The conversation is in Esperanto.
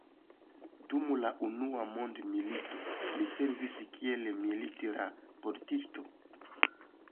Dum la Unua mondmilito li servis kiel milit-raportisto.